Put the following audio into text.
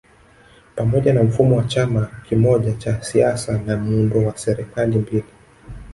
Pamoja na mfumo wa chama kimoja cha siasa na muundo wa serikali mbili